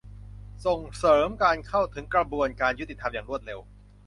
ส่งเสริมการเข้าถึงกระบวนการยุติธรรมอย่างรวดเร็ว